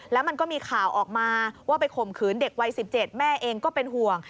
แล้วมันก็มีข่าวออกมาว่าไปข่มขืนเด็กวัย๑๗แม่เองก็เป็นห่วง